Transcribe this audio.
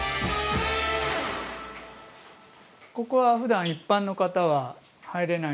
ここはふだん一般の方は入れないんですけれども。